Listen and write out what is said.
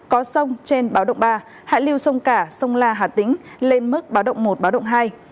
có sông trên báo động ba hạ lưu sông cả sông la hà tĩnh lên mức báo động một báo động hai